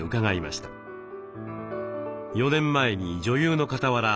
４年前に女優のかたわら